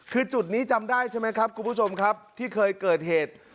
คือจุดนี้จำได้ใช่ไหมครับคุณผู้ชมครับที่เคยเกิดเหตุ